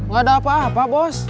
gak ada apa apa bos